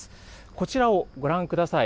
こちらをご覧ください。